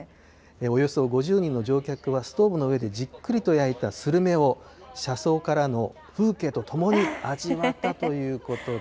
およそ５０人の乗客はストーブの上でじっくりと焼いたスルメを、車窓からの風景とともに味わったということで。